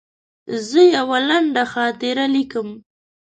زه یوه لنډه خاطره لیکم.